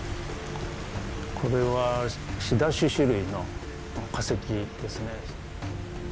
これはシダ種子類の化石ですね。